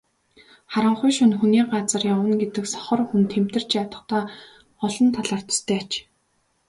Харанхуй шөнө хүний газар явна гэдэг сохор хүн тэмтэрч ядахтай олон талаар төстэй аж.